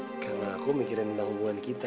karena aku mikirin tentang hubungan kita